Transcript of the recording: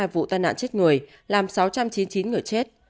sáu trăm sáu mươi hai vụ tên nạn chết người làm sáu trăm chín mươi chín người chết